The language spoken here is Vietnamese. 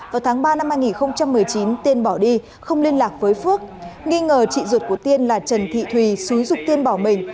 vào tháng ba năm hai nghìn một mươi chín tiên bỏ đi không liên lạc với phước nghi ngờ chị ruột của tiên là trần thị thùy xúi rục tiên bỏ mình